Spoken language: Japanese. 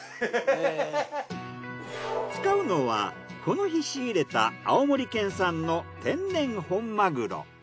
使うのはこの日仕入れた青森県産の天然本マグロ。